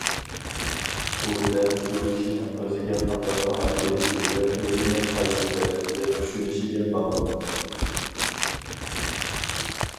بۇ دەل شۇ كىشىنىڭ ئۆزىگە قانداق باھا بېرىشى ۋە ئۆزىنى قايسى دەرىجىدە چۈشىنىشىگە باغلىق.